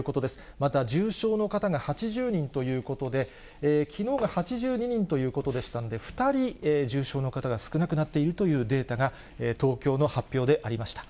また、重症の方が８０人ということで、きのうが８２人ということでしたので、２人重症の方が少なくなっているというデータが、東京の発表でありました。